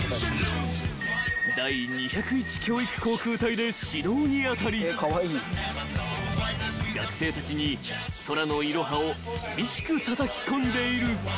［で指導に当たり学生たちに空のいろはを厳しくたたき込んでいる］